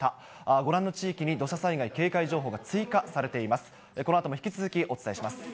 ご覧の地域に土砂災害警戒情報が追加されています。